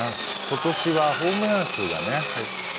今年はホームラン数がね